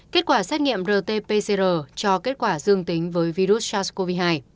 kết quả xét nghiệm rt pcr cho kết quả dương tính với virus sars cov hai